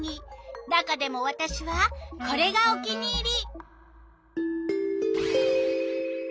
中でもわたしはこれがお気に入り！